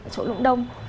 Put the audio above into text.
chỗ lũng đông